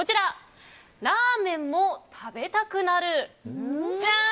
ラーメンも食べたくなる。